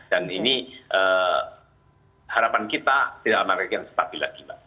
dan ini harapan kita tidak akan meragikan sepabila